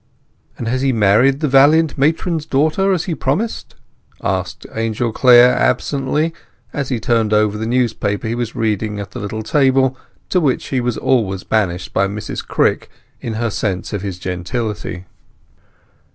"And had he married the valiant matron's daughter, as he promised?" asked Angel Clare absently, as he turned over the newspaper he was reading at the little table to which he was always banished by Mrs Crick, in her sense of his gentility.